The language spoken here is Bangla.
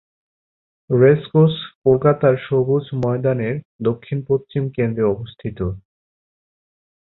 রেসকোর্স কলকাতার সবুজ ময়দানের দক্ষিণ-পশ্চিম কেন্দ্রে অবস্থিত।